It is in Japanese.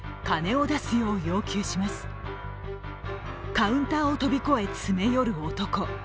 カウンターを飛び越え詰め寄る男。